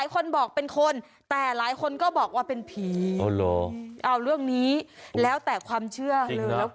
คลิกแล้วเครียงไม่คลิกแล้ว